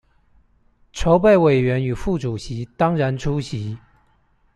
籌備委員與副主席當然出席